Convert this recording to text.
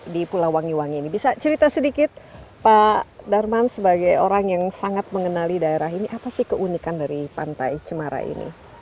di pulau wangi wangi ini bisa cerita sedikit pak darman sebagai orang yang sangat mengenali daerah ini apa sih keunikan dari pantai cemara ini